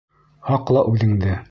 Һаҡла үҙеңде.